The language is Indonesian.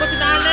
nanti dateng nih